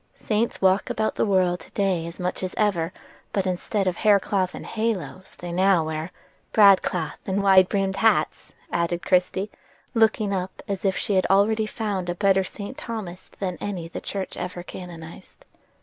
Saints walk about the world today as much as ever, but instead of haircloth and halos they now wear"— "Broadcloth and wide brimmed hats," added Christie, looking up as if she had already found a better St. Thomas than any the church ever canonized.